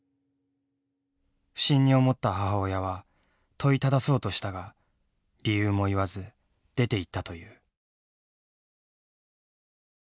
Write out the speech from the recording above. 不審に思った母親は問いただそうとしたが理由も言わず出ていったという。